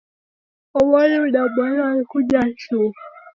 Omoni udaboilwa ni kuja shuu.